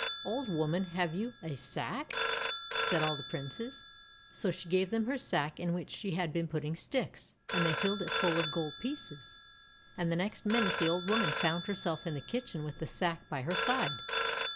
"Old Woman, have you a sack?" said all the Princes. So she gave them her sack in which she had been putting sticks, and they filled it full of gold pieces. And the next minute the old woman found herself in her kitchen with the sack by her side.